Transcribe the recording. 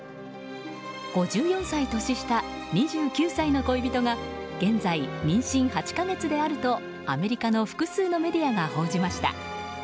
５４歳年下、２９歳の恋人が現在、妊娠８か月であるとアメリカの複数のメディアが報じました。